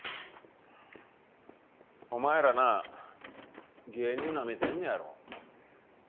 お前らな芸人なめてんねやろ？